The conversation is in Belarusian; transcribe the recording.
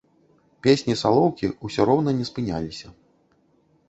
Песні салоўкі ўсё роўна не спыняліся.